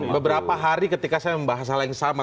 beberapa hari ketika saya membahas hal yang sama